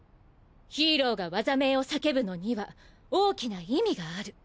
ヒーローが技名を叫ぶのには大きな意味がある。